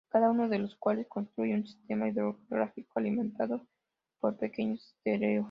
Cada uno de los cuales construye un sistema hidrográfico alimentado por pequeños esteros.